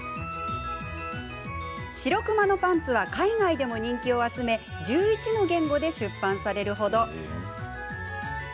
「しろくまのパンツ」は海外でも人気を集め１１の言語で出版されるほど。